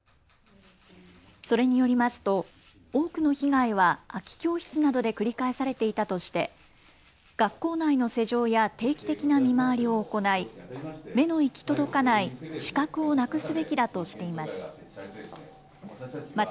それによりますと多くの被害は空き教室などで繰り返されていたとして学校内の施錠や定期的な見回りを行い、目の行き届かない死角をなくすべきだとしています。